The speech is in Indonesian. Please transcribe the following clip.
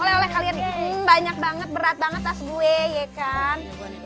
oleh oleh kalian banyak banget berat banget tas gue ya kan